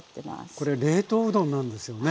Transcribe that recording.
これ冷凍うどんなんですよね。